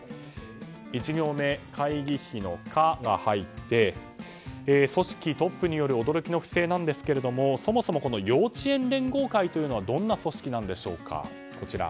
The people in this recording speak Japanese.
１行目、会議費の「カ」が入って組織トップによる驚きの不正ですがそもそも幼稚園連合会というのはどんな組織でしょうか。